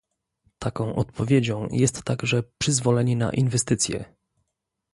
Taką odpowiedzią jest także przyzwolenie na inwestycje